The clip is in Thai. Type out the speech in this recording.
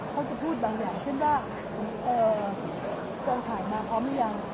เขาจะพูดบางอย่างเช่นว่ากองถ่ายมาพร้อมหรือยัง